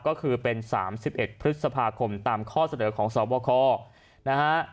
ก็คือเป็น๓๑พฤษภาคมตามข้อเสนอของสวบคนะฮะ